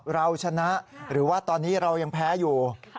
เราชนะหรือว่าตอนนี้เรายังแพ้อยู่